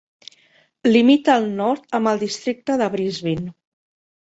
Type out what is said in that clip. Limita al nord amb el districte de Brisbin.